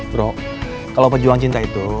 bro kalau pejuang cinta itu